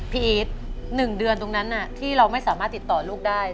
อีท๑เดือนตรงนั้นที่เราไม่สามารถติดต่อลูกได้